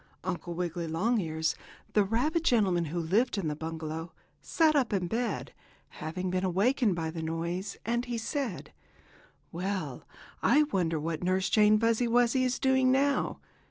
Uncle Wiggily Longears, the rabbit gentleman who lived in the bungalow, sat up in bed, having been awakened by the noise, and he said: "Well, I wonder what Nurse Jane Fuzzy Wuzzy is doing now?